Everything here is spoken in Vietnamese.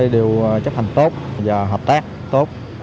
đều chấp hành tốt và hợp tác tốt